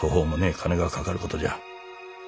金がかかることじゃ。